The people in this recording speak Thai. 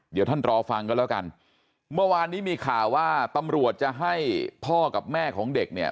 เดี๋ยวท่านรอฟังกันแล้วกันเมื่อวานนี้มีข่าวว่าตำรวจจะให้พ่อกับแม่ของเด็กเนี่ย